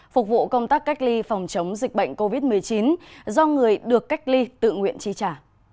phục vụ công tác cách ly phòng chống dịch bệnh covid một mươi chín do người được cách ly tự nguyện tri trả